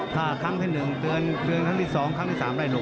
ถ้าครั้งที่หนึ่งเตือนเตือนครั้งที่สองครั้งที่สามไล่ลงเลย